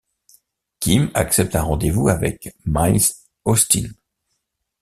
Kim accepte un rendez-vous avec Miles Austin.